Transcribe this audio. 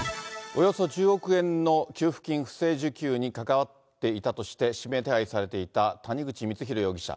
およそ１０億円の給付金不正受給に関わっていたとして、指名手配されていた谷口光弘容疑者。